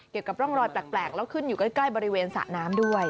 เกี่ยวกับร่องรอยแปลกแล้วขึ้นอยู่ใกล้บริเวณสระน้ำด้วย